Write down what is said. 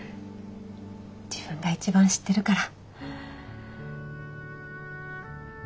自分が一番知ってるから。